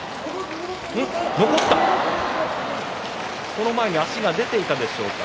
その前に足が出ていたでしょうか？